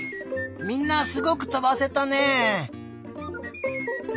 みんなすごくとばせたね！